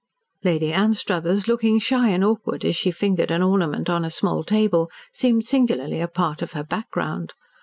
Lady Anstruthers, looking shy and awkward as she fingered an ornament on a small table, seemed singularly a part of her background.